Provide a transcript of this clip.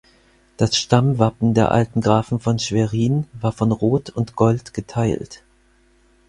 Das Stammwappen der alten Grafen von Schwerin war von Rot und Gold geteilt.